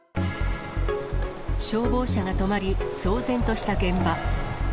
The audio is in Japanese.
消防車が止まり、騒然とした現場。